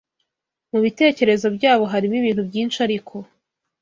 Mu bitekerezo byabo harimo ibintu byinshi ariko